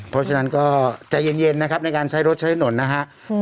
เพราะฉะนั้นก็ใจเย็นนะครับในการใช้รถใช้ถนนนะฮะ